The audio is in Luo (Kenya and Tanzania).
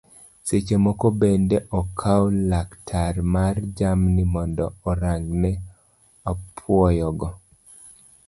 Seche moko bende okawo laktar mar jamni mondo orang'ne apuoyo go